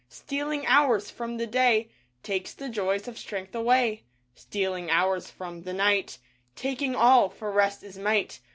Stealing hours from the day Takes the joys of strength away. Stealing hours from the Night Taking all — for rest is Might.